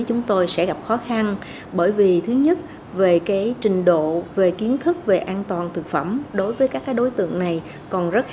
chúng tôi sẽ gặp lại các cơ sở kinh doanh thức ăn đường phố này